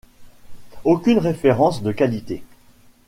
Aucune références de qualité.